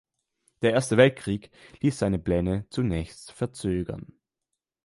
Der Erste Weltkrieg ließ seine Pläne zunächst verzögern.